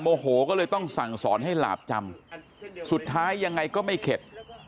โมโหก็เลยต้องสั่งสอนให้หลาบจำสุดท้ายยังไงก็ไม่เข็ด